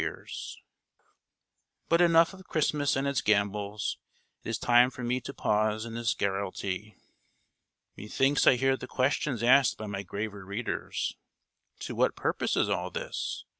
But enough of Christmas and its gambols; it is time for me to pause in this garrulity. Methinks I hear the questions asked by my graver readers, "To what purpose is all this?